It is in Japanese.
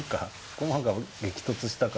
駒が激突したから。